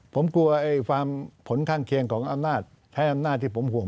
ผมกลัวผลข้างเคียงของอำนาจใช้อำนาจที่ผมห่วง